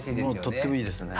とってもいいですよね。